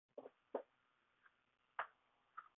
其它部分媒体对节目的看法更为负面。